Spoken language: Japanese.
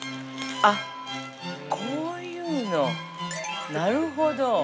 あ、こういうのなるほど。